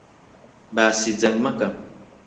باسی جەنگ مەکە!